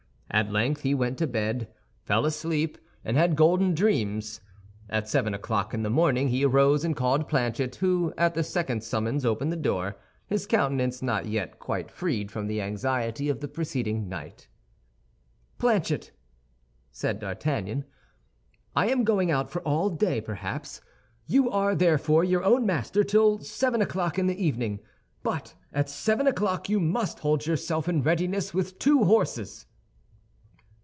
At length he went to bed, fell asleep, and had golden dreams. At seven o'clock in the morning he arose and called Planchet, who at the second summons opened the door, his countenance not yet quite freed from the anxiety of the preceding night. "Planchet," said D'Artagnan, "I am going out for all day, perhaps. You are, therefore, your own master till seven o'clock in the evening; but at seven o'clock you must hold yourself in readiness with two horses."